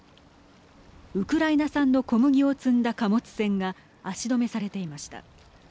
ウクライナ産の小麦を積んだ貨物船が足止めされていました。